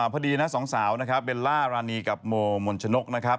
พอดีนะสองสาวนะครับเบลล่ารานีกับโมมนชนกนะครับ